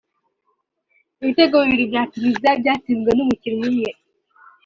ibitego bibiri bya Tunisia byatsinzwe n’umukinnyi umwe